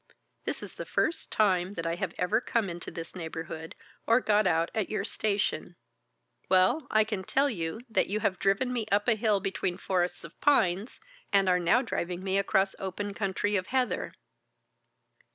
This is the first time that I have ever come into this neighbourhood or got out at your station. Well, I can tell you that you have driven me up a hill between forests of pines, and are now driving me across open country of heather."